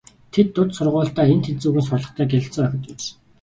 Тэд дунд сургуульдаа эн тэнцүүхэн сурлагатай гялалзсан охид байж.